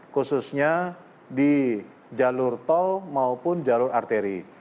khususnya di jalur tol maupun jalur arteri